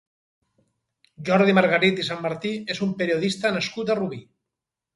Jordi Margarit i Sanmartí és un periodista nascut a Rubí.